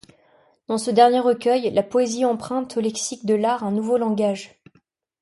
Dans ce dernier recueil, la poésie emprunte au lexique de l'art un nouveau langage.